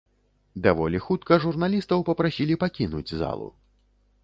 Даволі хутка журналістаў папрасілі пакінуць залу.